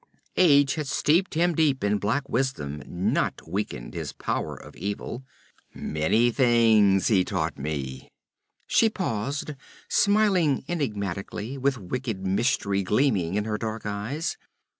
Age had steeped him deep in black wisdom, not weakened his powers of evil. Many things he taught me ' She paused, smiling enigmatically, with wicked mystery gleaming in her dark eyes.